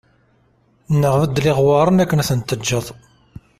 Neɣ beddel iɣewwaṛen akken ad ten-teǧǧeḍ